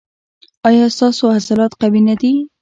ایا ستاسو عضلات قوي نه دي؟